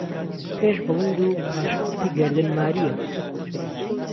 پێش بڵند و پاش کورتی گهردن ماریه